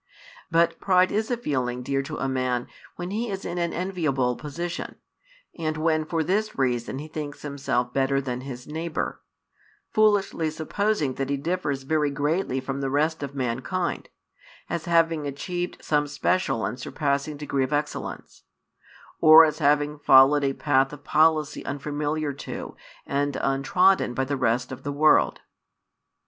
But pride is a feeling dear to a man when he is in an enviable position, and when for this reason he thinks himself better than his neighbour; foolishly supposing that he differs very greatly from the rest of mankind, as having achieved some special and surpassing degree of excellence, or as having followed a path of policy unfamiliar to and untrodden by the rest of the world.